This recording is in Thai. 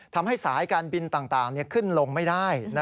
ทำให้สายการบินต่างขึ้นลงไม่ได้